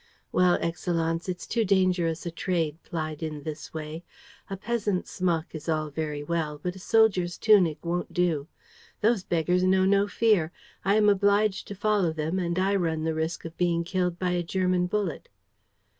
"Well, Excellenz, it's too dangerous a trade, plied in this way. A peasant's smock is all very well; but a soldier's tunic won't do. Those beggars know no fear; I am obliged to follow them; and I run the risk of being killed by a German bullet."